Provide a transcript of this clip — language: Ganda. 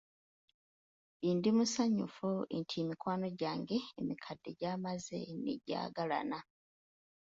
Ndi musanyufu nti mikwano gyange emikadde gyamaze ne gyagalana.